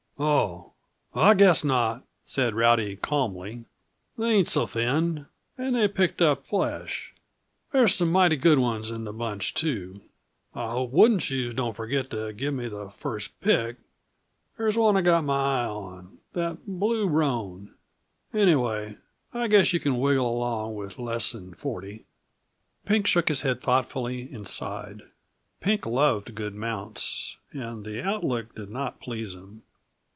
"Oh, I guess not," said Rowdy calmly. "They ain't so thin and they'll pick up flesh. There's some mighty good ones in the bunch, too. I hope Wooden Shoes don't forget to give me the first pick. There's one I got my eye on that blue roan. Anyway, I guess you can wiggle along with less than forty." Pink shook his head thoughtfully and sighed. Pink loved good mounts, and the outlook did not please him.